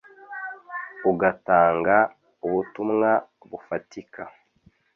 ugatanga ubutumwa bufatika